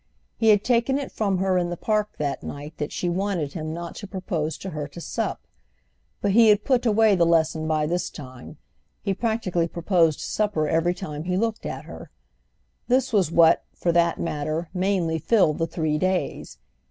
He had taken it from her in the Park that night that she wanted him not to propose to her to sup; but he had put away the lesson by this time—he practically proposed supper every time he looked at her. This was what, for that matter, mainly filled the three days.